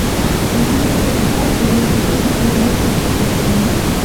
قومونه د افغان تاریخ په ټولو کتابونو کې ذکر شوي دي.